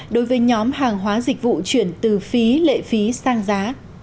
đối với nhóm hàng hóa dịch vụ chuyển từ phí lệ phí sang giá